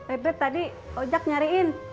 eh be tadi ojak nyariin